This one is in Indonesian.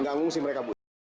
enggangungsi mereka bu